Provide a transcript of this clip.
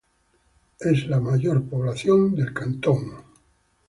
Es la mayor población del cantón.